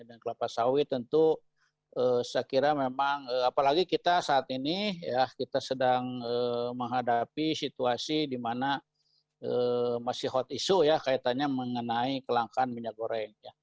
dan saya kira memang apalagi kita saat ini ya kita sedang menghadapi situasi di mana masih hot issue ya kaitannya mengenai kelangkaan minyak goreng